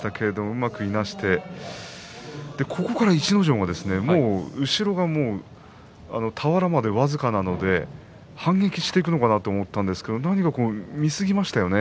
うまくいなしてここから逸ノ城が、もう後ろが俵まで僅かなので反撃していくのかなと思ったんですけど何か、見すぎましたよね。